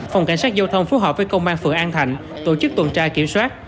phòng cảnh sát giao thông phối hợp với công an phường an thạnh tổ chức tuần tra kiểm soát